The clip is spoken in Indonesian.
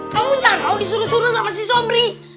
kamu jangan mau disuruh suruh sama si sobri